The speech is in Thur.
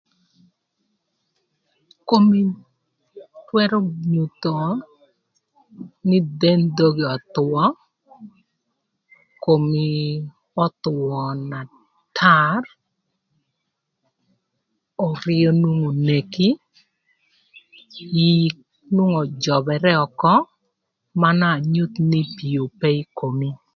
Komï twërö nyutho nï del dhogi öthwö, komi öthwö na tar, örïö nwongo oneki, ïï nwongo öjöbërë ökö, manön anyuth nï pii ope ï komi.